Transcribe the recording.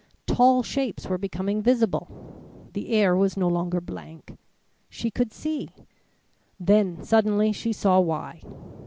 Tall shapes were becoming visible the air was no longer blank she could see Then suddenly she saw why.